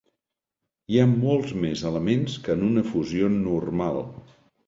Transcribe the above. Hi ha molts més elements que en una fusió normal.